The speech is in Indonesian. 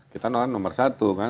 kita nomor satu kan